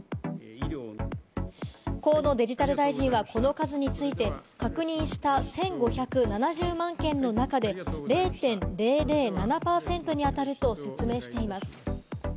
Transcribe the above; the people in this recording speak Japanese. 河野デジタル大臣はこの数について確認した１５７０万件の中で、０．００７％に当たると説明しています。